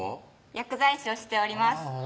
薬剤師をしておりますあぁ